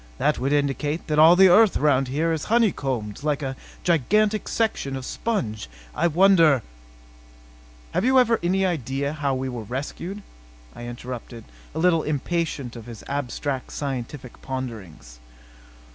That would indicate that all the earth around here is honeycombed like a gigantic section of sponge. I wonder " "Have you any idea how we were rescued?" I interrupted, a little impatient of his abstract scientific ponderings.